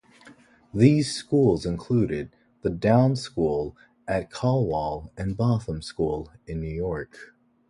These schools included The Downs School at Colwall and Bootham School in York.